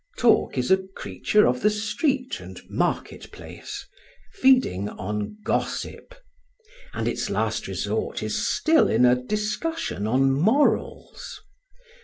Talk is a creature of the street and market place, feeding on gossip; and its last resort is still in a discussion on morals.